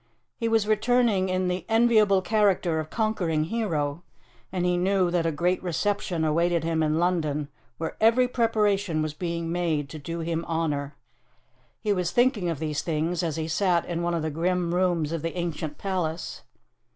He was returning in the enviable character of conquering hero, and he knew that a great reception awaited him in London, where every preparation was being made to do him honour; he was thinking of these things as he sat in one of the grim rooms of the ancient palace.